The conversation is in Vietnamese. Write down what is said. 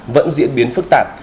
vẫn diễn biến phức tạp